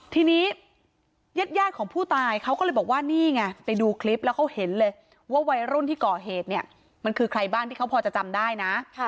ทีนี้ญาติของผู้ตายเขาก็เลยบอกว่านี่ไงไปดูคลิปแล้วเขาเห็นเลยว่าวัยรุ่นที่ก่อเหตุเนี่ยมันคือใครบ้างที่เขาพอจะจำได้นะ